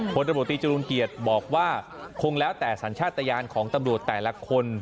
คนตบตรีจรูนเกียจบอกว่าคงแล้วแต่สัญชาตญาณของตำรวจแต่ละคน